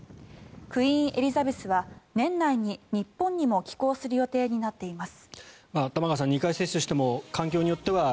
「クイーン・エリザベス」は年内に日本にも寄港する予定になっています。